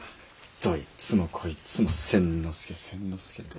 どいつもこいつも千之助千之助て。